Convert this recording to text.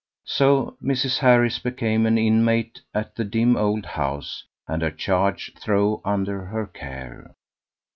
So Mrs. Harris became an inmate at the dim old house, and her charge throve under her care.